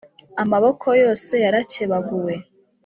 amaboko yose yarakebaguwe